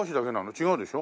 違うでしょ？